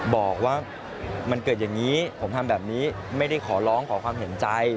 บอกว่ามันเกิดอย่างนี้ผมทำแบบนี้ไม่ได้ขอร้องขอความเห็นใจ